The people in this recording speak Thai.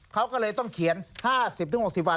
เขาก็เลยต้องเขียน๕๐๖๐วัน